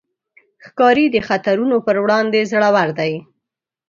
ښکاري د خطرونو پر وړاندې زړور دی.